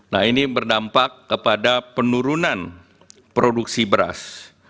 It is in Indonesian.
nah ini berdampak kepada penurunan produksi beras